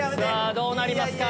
どうなりますか。